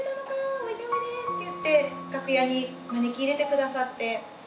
麻恵ちゃんおいで」って言って楽屋に招き入れてくださって。